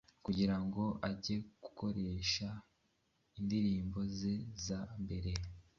kugira ngo ajye gukoresha indirimbo ze za mbere